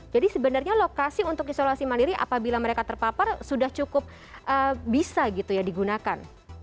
jadi sebenarnya lokasi untuk isolasi mandiri apabila mereka terpapar sudah cukup bisa gitu ya digunakan